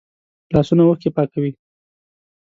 لاسونه اوښکې پاکوي